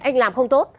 anh làm không tốt